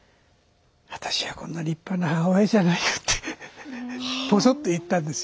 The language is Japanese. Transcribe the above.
「私はこんな立派な母親じゃないよ」ってポソッと言ったんです。